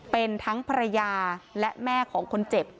เป็นทั้งภรรยาและแม่ของคนเจ็บ